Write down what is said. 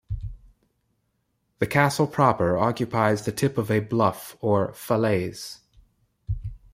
The castle proper occupies the tip of a bluff or "falaise".